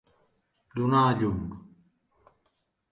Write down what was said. Donar a llum.